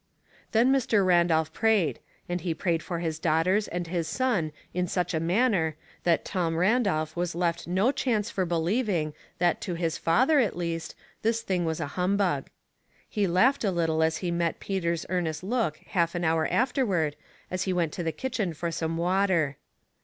Then Mr. Randolph prayed ; and he prayed for his dauo hters and his son in such a manner that Tom Randolph was left no chance for believing that to his father, at least, this thing was a humbug. He laughed a little as he met Peter's earnest look half an hour afterward as he went to the kitchen for some water.